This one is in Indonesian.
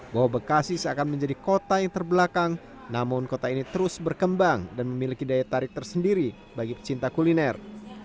bahwa bekasi seakan menjadi kota yang terbelakang namun kota ini terus berkembang dan memiliki daya tarik tersendiri bagi pecinta kuliner